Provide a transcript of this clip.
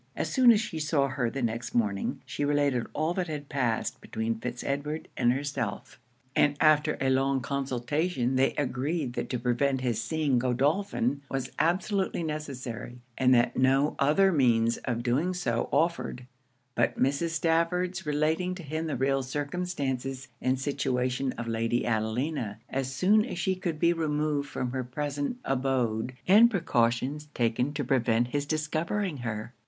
As soon as she saw her the next morning, she related all that had passed between Fitz Edward and herself; and after a long consultation they agreed that to prevent his seeing Godolphin was absolutely necessary; and that no other means of doing so offered, but Mrs. Stafford's relating to him the real circumstances and situation of Lady Adelina, as soon as she could be removed from her present abode and precautions taken to prevent his discovering her.